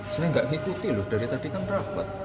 saya nggak ngikuti loh dari tadi kan rapat